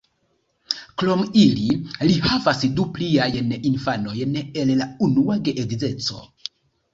Krom ili, li havas du pliajn infanojn el la unua geedzeco.